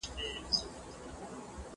ايا ته واښه راوړې،